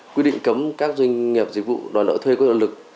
quy định cấm các doanh nghiệp dịch vụ đòi nợ thuê có lợi lực